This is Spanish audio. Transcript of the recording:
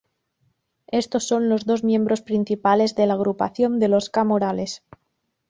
Estos son los dos miembros principales de la agrupación de Los K Morales.